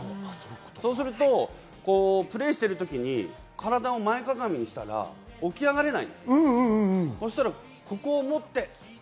そうすると、プレーしてる時に体を前かがみにしたら起き上がれない。